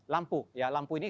lampu lampu ini